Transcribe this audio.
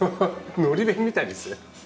のり弁みたいですね。